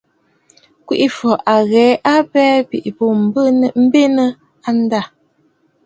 Kwèʼefɔ̀ à ghɛ̀ɛ a abɛɛ bɨ̀bùʼù benə̀ a ndâ.